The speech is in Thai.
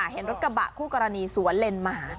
เห็นรถกระบะคู่กรณีสวนเลนมา